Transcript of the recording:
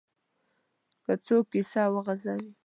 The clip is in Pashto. چې څوک کیسه وغځوي.